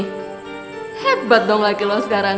hebat dong laki lo sekarang